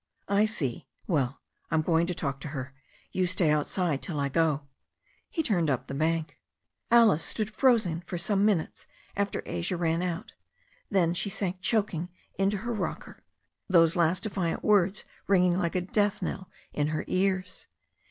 "I see. Well, I'm going to talk to her. You stay outside till I go." He turned up the bank. Alice stood frozen for some minutes after Asia ran out. Then she sank choking into her rocker, those last defiant words ringing like a death knell in her ears.